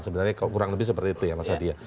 sebenarnya kurang lebih seperti itu ya mas adi ya